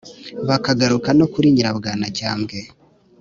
Bakagaruka no kuri Nyirabwanacyambwe